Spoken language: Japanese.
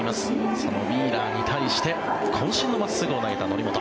そのウィーラーに対してこん身の真っすぐを投げた則本。